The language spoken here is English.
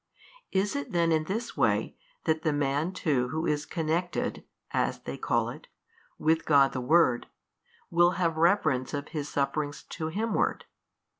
Is it then in this way that the man too who is connected (as they call it) with God the Word, will have reference of his sufferings to Himward?